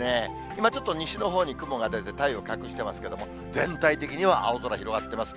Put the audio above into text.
今、ちょっと西のほうに雲が出て、太陽を隠していますけれども、全体的には青空広がっています。